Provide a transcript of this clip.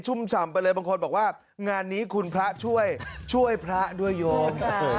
ทุกคนบอกว่างานนี้คุณพระช่วยช่วยพระด้วยโยม